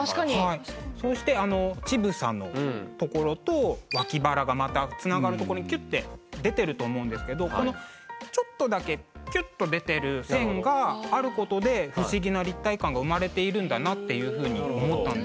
そしてあの乳房のところと脇腹がまたつながるとこにキュッて出てると思うんですけどこのちょっとだけキュッと出てる線があることで不思議な立体感が生まれているんだなっていうふうに思ったんです。